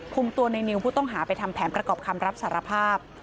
คุมตัวในนิวผู้ต้องหาไปทำแผนประกอบคำรับสารภาพ